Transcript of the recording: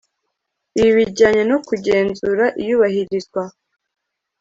ibi bijyanye no kugenzura iyubahirizwa